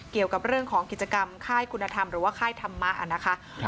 เกี่ยวกับเรื่องของกิจกรรมค่ายคุณธรรมหรือว่าค่ายธรรมะนะคะ